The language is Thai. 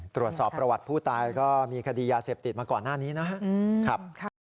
ตรวจสอบประวัติผู้ตายก็มีคดียาเสพติดมาก่อนหน้านี้นะครับ